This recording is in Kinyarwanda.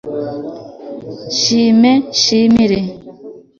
nshime nshimire